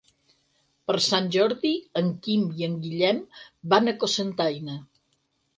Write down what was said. Per Sant Jordi en Quim i en Guillem van a Cocentaina.